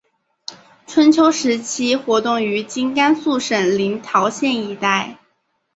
春秋时期活动于今甘肃省临洮县一带。